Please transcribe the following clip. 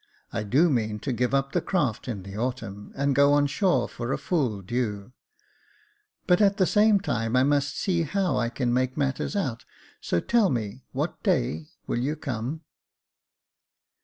I do mean to give up the craft in the autumn, and go on shore for a full due : but, at the same time, I must see how I can make matters out, so tell me what day you will come."